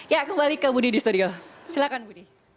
ya kembali ke budi di studio silakan budi